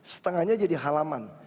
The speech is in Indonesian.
setengahnya jadi halaman